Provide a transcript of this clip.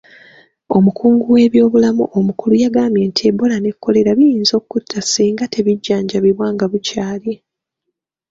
Omukugu w'ebyobulamu omukulu yagamba nti Ebola ne Kolera biyinza okutta singa tebijjanjabibwa nga bukyali.